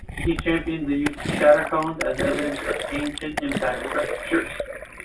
He championed the use of shatter cones as evidence for ancient impact structures.